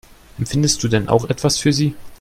Empfindest du denn auch etwas für sie?